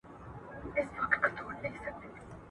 ما ته پکار ده چې خپلې شخصي چارې سمې کړم.